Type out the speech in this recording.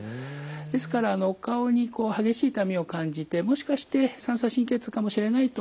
ですからお顔にこう激しい痛みを感じてもしかして三叉神経痛かもしれないと思われたらですね